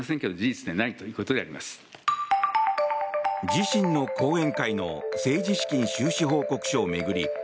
自身の後援会の政治資金収支報告書を巡り